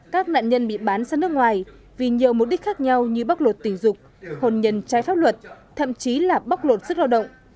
các nạn nhân bị bán sang nước ngoài vì nhiều mục đích khác nhau như bóc lột tình dục hồn nhân trái pháp luật thậm chí là bóc lột sức lao động